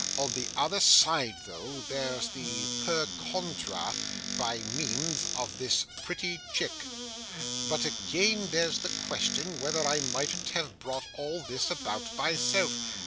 On the other side, though, there's the PER CONTRA, by means of this pretty chick. But, again, there's the question whether I mightn't have brought all this about, myself.